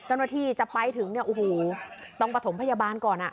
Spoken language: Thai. เจ้าหน้าที่จะไปถึงเนี่ยโอ้โหต้องประถมพยาบาลก่อนอ่ะ